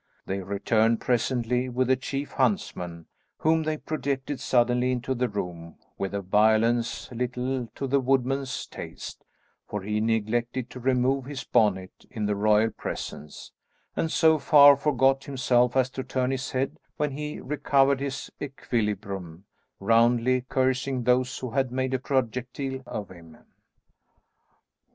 They returned presently with the chief huntsman, whom they projected suddenly into the room with a violence little to the woodman's taste, for he neglected to remove his bonnet in the royal presence, and so far forgot himself as to turn his head when he recovered his equilibrium, roundly cursing those who had made a projectile of him.